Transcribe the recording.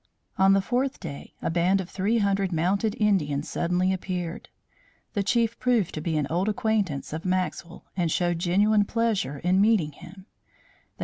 On the fourth day a band of three hundred mounted Indians suddenly appeared. The chief proved to be an old acquaintance of Maxwell and showed genuine pleasure in meeting him.